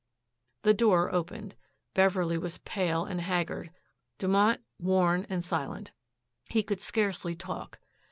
The door opened. Beverley was pale and haggard, Dumont worn and silent. He could scarcely talk.